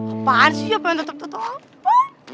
apaan sih apa yang tetap tetap